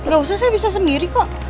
gak usah saya bisa sendiri kok